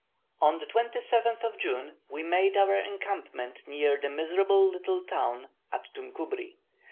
On the 27th of June we made our encampment near the miserable little town Attum Kobri.